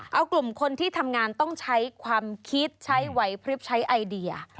เอากลุ่มคนที่ทำงานต้องใช้ความคิดใช้ไหวพลิบใช้ไอเดีย